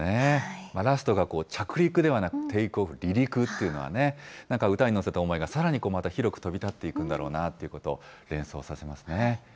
ラストが着陸ではなくＴＡＫＥＯＦＦ、離陸っていうのはね、なんか歌に乗せた思いがさらに広く飛び立っていくんだろうなということを連想させますね。